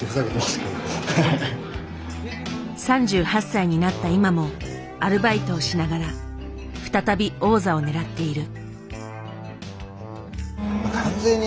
３８歳になった今もアルバイトをしながら再び王座を狙っている。